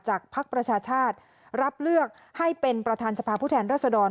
ภักดิ์ประชาชาติรับเลือกให้เป็นประธานสภาพผู้แทนรัศดร